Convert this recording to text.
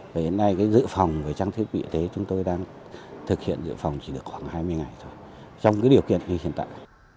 và hiện nay cái dự phòng về trang thiết bị y tế chúng tôi đang thực hiện dự phòng chỉ được khoảng hai mươi ngày thôi trong cái điều kiện như hiện tại